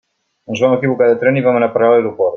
Ens vam equivocar de tren i vam anar a parar a l'aeroport.